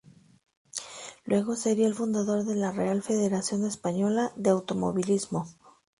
Luego sería el fundador de la Real Federación Española de Automovilismo.